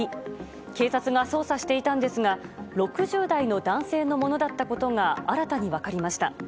警察が捜査していたんですが６０代の男性のものだったことが新たに分かりました。